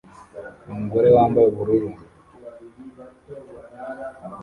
umugore wambaye ubururu